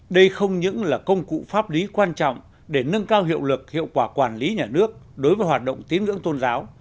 đây không những là công cụ pháp lý quan trọng để nâng cao hiệu lực hiệu quả quản lý nhà nước đối với hoạt động tín ngưỡng tôn giáo